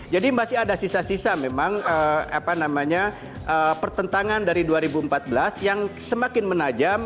jadi masih ada sisa sisa memang apa namanya pertentangan dari dua ribu empat belas yang semakin menajam